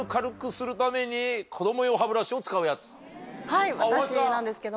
はい私なんですけども。